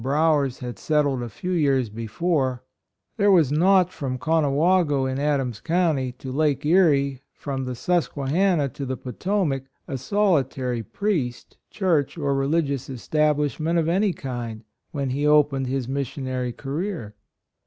Brawers had settled a few years before, there was not, from Conawago, in Adams County, to Lake Erie — from the Susque hanna to the Potomac, a solitary priest, church or religious estab lishment of any kind when he opened his missionary career.